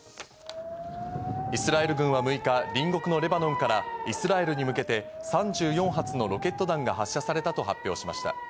イスラエル軍は６日、隣国のレバノンからイスラエルに向けて、３４発のロケット弾が発射されたと発表しました。